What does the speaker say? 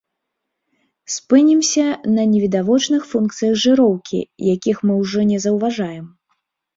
Спынімся на невідавочных функцыях жыроўкі, якіх мы ўжо не заўважаем.